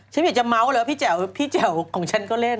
ฉันไม่อยากจะเมาส์เลยว่าพี่แจ๋วของฉันก็เล่น